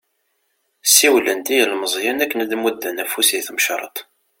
Siwlen-d i yilmeẓyen akken ad d-mudden afus di tmecreḍt.